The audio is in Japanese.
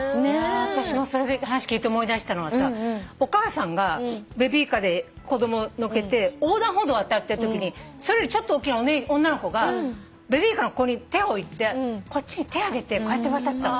私も話聞いて思い出したのがさお母さんがベビーカーで子供乗っけて横断歩道を渡ってるときにそれよりちょっとおっきな女の子がベビーカーのここに手を置いてこっちに手上げてこうやって渡ってたの。